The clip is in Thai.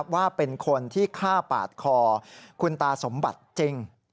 ว่าเป็นคนที่ฆ่าปาดคอคุณตาสมบัติจริง